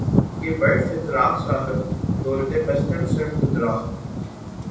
کہ بر فتراک صاحب دولتے بستم سر خود را